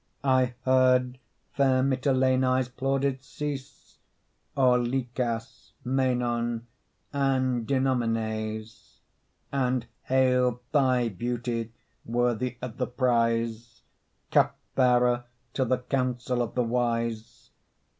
I heard fair Mitylene's plaudits cease O'er Lykas, Menon and Dinnomenes; And hail thy beauty worthy of the prize, Cupbearer to the council of the wise.